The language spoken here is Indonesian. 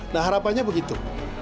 nah harapannya begitu